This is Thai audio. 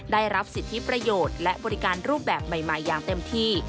ได้รับสิทธิประโยชน์และบริการรูปแบบใหม่อย่างเต็มที่